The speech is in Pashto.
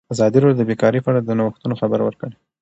ازادي راډیو د بیکاري په اړه د نوښتونو خبر ورکړی.